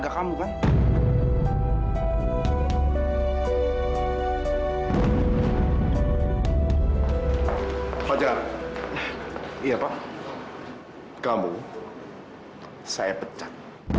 kamu saya pecat